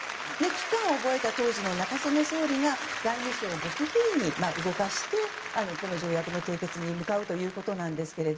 危機感を覚えた当時の中曽根総理が外務省を極秘裏に動かして、この条約の締結に向かうということですが。